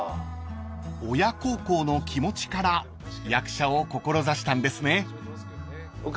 ［親孝行の気持ちから役者を志したんですね］